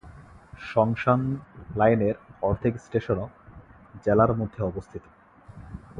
সংশান লাইনের অর্ধেক স্টেশনও জেলার মধ্যে অবস্থিত।